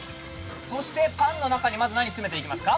そしてパンの中にまず何詰めていきますか？